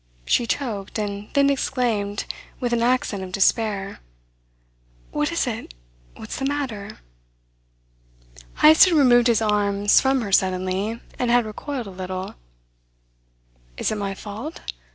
She choked, and then exclaimed, with an accent of despair: "What is it? What's the matter?" Heyst had removed his arms from her suddenly, and had recoiled a little. "Is it my fault?